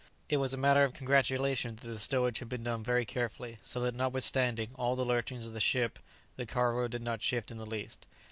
It was a matter of congratulation that the stowage had been done very carefully, so that notwithstanding all the lurchings of the ship, the cargo did not shift in the least.